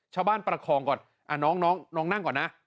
ชาวบ้านประคองก่อนน้องน้องนั่งก่อนนะ